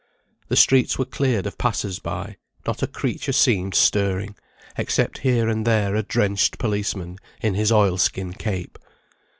The streets were cleared of passers by; not a creature seemed stirring, except here and there a drenched policeman in his oil skin cape.